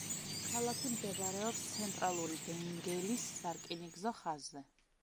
ქალაქი მდებარეობს ცენტრალური ბენგელის სარკინიგზო ხაზზე.